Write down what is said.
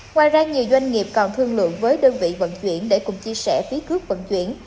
ngoài ra nhiều doanh nghiệp còn thương lượng với đơn vị vận chuyển để cùng chia sẻ phí cước vận chuyển